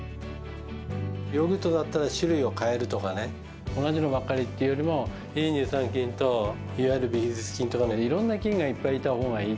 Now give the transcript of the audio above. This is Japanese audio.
ヨーグルトだったら種類を変えるとかね、同じのばっかりってよりも乳酸菌といわゆるビフィズス菌など、いろんな菌がいっぱいいたほうがいい。